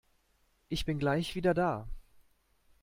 Ich bin gleich wieder da.